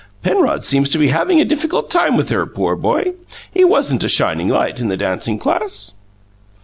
Penrod seems to be having a difficult time with her, poor boy; he wasn't a shining light in the dancing class."